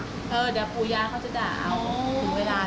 เดี๋ยวผู้ยาเขาจะด่าถึงเวลานี้